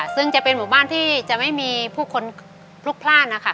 ซึ่งจะเป็นหมู่บ้านที่จะไม่มีผู้คนพลุกพลาดนะคะ